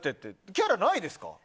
キャラないですか？